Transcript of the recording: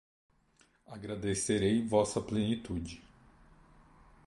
Agradecerei vossa plenitude